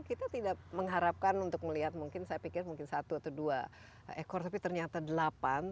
kita tidak mengharapkan untuk melihat mungkin saya pikir mungkin satu atau dua ekor tapi ternyata delapan